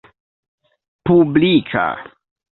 publika